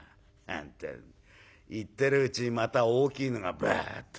言ってるうちにまた大きいのがブッと出た。